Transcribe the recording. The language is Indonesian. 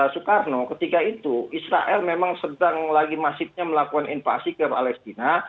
soekarno ketika itu israel memang sedang lagi masifnya melakukan invasi ke palestina